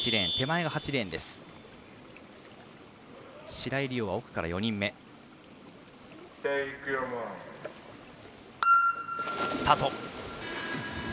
白井璃緒は奥から４人目。スタート。